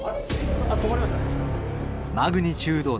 止まりましたね。